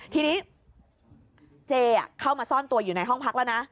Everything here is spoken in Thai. ทีนี้เจเข้ามาซ่อนตัวอยู่ในห้องพักแล้วนะ